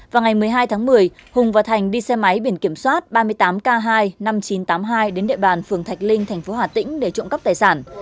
vào ngày một mươi hai tháng một mươi hùng và thành đi xe máy biển kiểm soát ba mươi tám k hai mươi năm nghìn chín trăm tám mươi hai đến địa bàn phường thạch linh tp hà tĩnh để trộm cắp tài sản